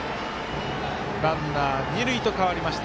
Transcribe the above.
ランナー、二塁と代わりました。